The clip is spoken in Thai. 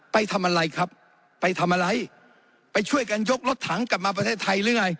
ไปทำอะไรครับไปทำอะไรไปช่วยกันยกรถถังกลับมาประเทศไทยหรือไง